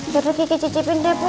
tidur kiki cicipin deh bu